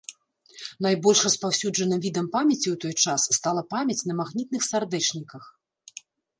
Найбольш распаўсюджаным відам памяці ў той час стала памяць на магнітных сардэчніках.